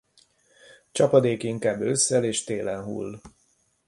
Csapadék inkább ősszel és télen hull.